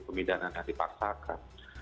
pemindahan yang dipaksakan